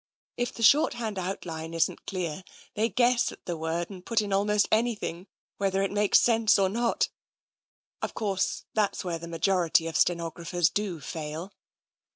If the shorthand outline isn't clear, they guess at the word and put in almost any thing, whether it makes sense or not. Of course, that's where the majority of stenographers do fail."